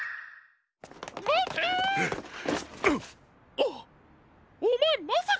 あっおまえまさか！？